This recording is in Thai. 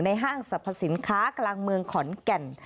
ห้างสรรพสินค้ากลางเมืองขอนแก่น